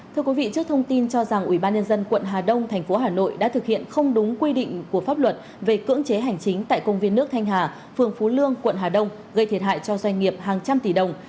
thưa quý vị trước thông tin cho rằng ubnd quận hà đông thành phố hà nội đã thực hiện không đúng quy định của pháp luật về cưỡng chế hành chính tại công viên nước thanh hà phường phú lương quận hà đông gây thiệt hại cho doanh nghiệp hàng trăm tỷ đồng